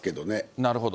なるほど。